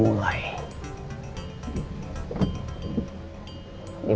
ntar kita jalan ke bawah